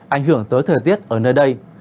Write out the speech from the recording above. ảnh hưởng tới thời tiết ở nơi đây